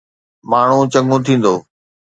ماڻهو چڱو ٿيندو.